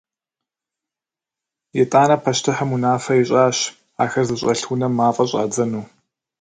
Итӏанэ пащтыхьым унафэ ищӏащ ахэр зыщӏэлъ унэм мафӏэ щӏадзэну.